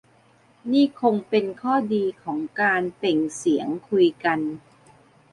นี่คงเป็นข้อดีของการ "เปล่งเสียง" คุยกัน